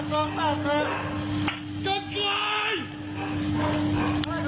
กักไกร